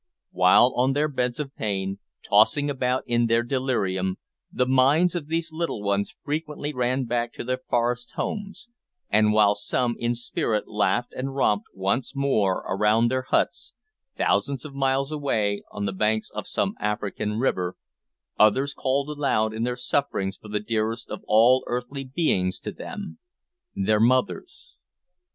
While on their beds of pain, tossing about in their delirium, the minds of these little ones frequently ran back to their forest homes, and while some, in spirit, laughed and romped once more around their huts, thousands of miles away on the banks of some African river, others called aloud in their sufferings for the dearest of all earthly beings to them their mothers.